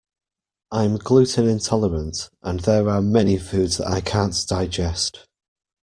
I'm gluten intolerant, and there are many foods that I can't digest.